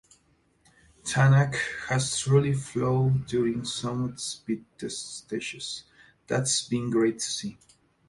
Tänak has truly flown during some of the speed test stages, that’s been great to see.